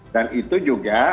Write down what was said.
dan itu juga